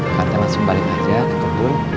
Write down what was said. akhirnya langsung balik aja ke kebun